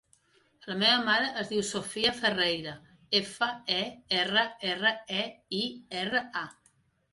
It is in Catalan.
La meva mare es diu Sofía Ferreira: efa, e, erra, erra, e, i, erra, a.